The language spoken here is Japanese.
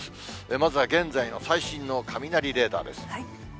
まずは現在の最新の雷レーダーです。